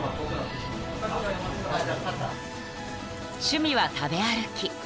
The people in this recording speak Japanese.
［趣味は食べ歩き］